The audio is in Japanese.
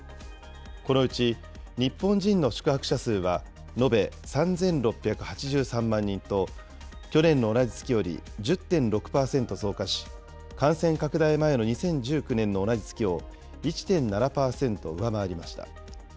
このうち日本人の宿泊者数は、延べ３６８３万人と、去年の同じ月より１０．６％増加し、感染拡大前の２０１９年の同じ月を１．７％上回りました。